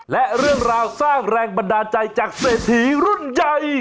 และเรื่องราวสร้างแรงบันดาลใจจากเศรษฐีรุ่นใหญ่